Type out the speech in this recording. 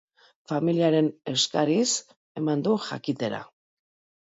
Familiaren eskariz eman du jakitera.